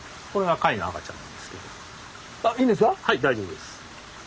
はい大丈夫です。